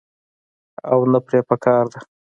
او نۀ پرې پکار ده -